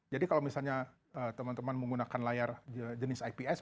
jadi kalau misalnya teman teman menggunakan layar jenis ips